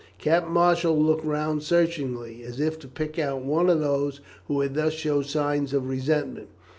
Captain Marshall looked round searchingly, as if to pick out one of those who had thus shown signs of resentment.